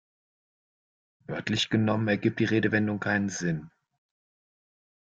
Wörtlich genommen ergibt die Redewendung keinen Sinn.